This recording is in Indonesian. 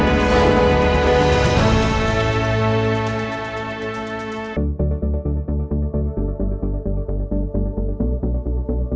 hantaran yang terjadi